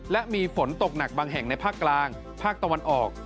และมีฝนตกหนักบางแห่งในภาคกลางภาคตะวันออก